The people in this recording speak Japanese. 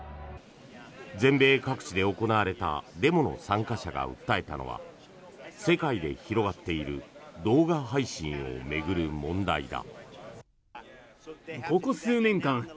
全米各地で行われたデモの参加者が訴えたのは世界で広がっている動画配信を巡る問題だ。